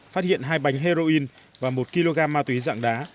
phát hiện hai bánh heroin và một kg ma túy dạng đá